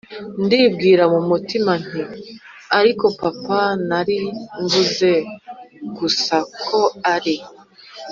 Ndibwira mu mutima nti ariko papa nari mvuze gusa ko ari